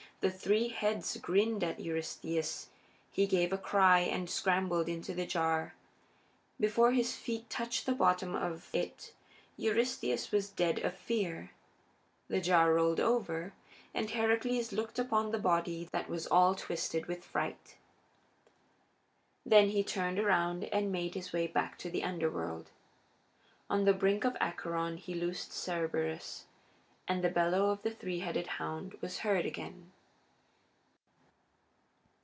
The three heads grinned at Eurystheus; he gave a cry and scrambled into the jar. But before his feet touched the bottom of it Eurystheus was dead of fear. The jar rolled over, and Heracles looked upon the body that was all twisted with fright. Then he turned around and made his way back to the Underworld. On the brink of Acheron he loosed Cerberus, and the bellow of the three headed hound was heard again.